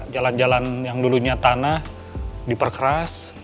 jalan jalan yang dulunya tanah diperkeras